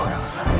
aku salah lihat